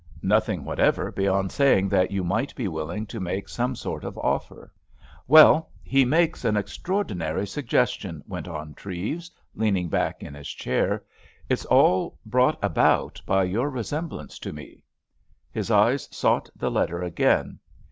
"Nothing whatever, beyond saying that you might be willing to make some sort of offer." "Well, he makes an extraordinary suggestion," went on Treves, leaning back in his chair. "It's all brought about by your resemblance to me." His eyes sought the letter again.